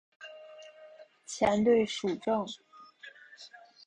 前队属正。